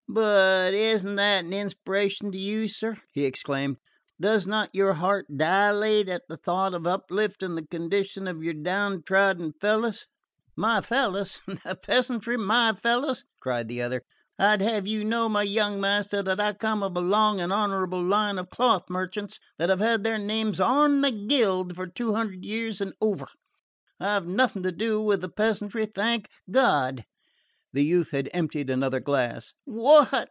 "But isn't that an inspiration to you, sir?" he exclaimed. "Does not your heart dilate at the thought of uplifting the condition of your down trodden fellows?" "My fellows? The peasantry my fellows?" cried the other. "I'd have you know, my young master, that I come of a long and honourable line of cloth merchants, that have had their names on the Guild for two hundred years and over. I've nothing to do with the peasantry, thank God!" The youth had emptied another glass. "What?"